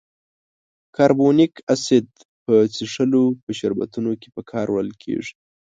کاربونیک اسید په څښلو په شربتونو کې په کار وړل کیږي.